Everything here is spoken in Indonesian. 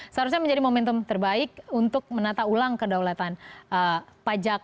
seharusnya menjadi momentum terbaik untuk menata ulang kedaulatan pajak